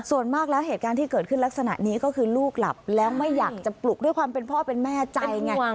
ส่วนมากแล้วเหตุการณ์ที่เกิดขึ้นลักษณะนี้ก็คือลูกหลับแล้วไม่อยากจะปลุกด้วยความเป็นพ่อเป็นแม่ใจไง